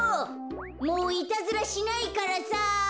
もういたずらしないからさ。